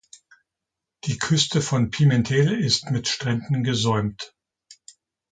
Die Küste von Pimentel ist mit Stränden gesäumt.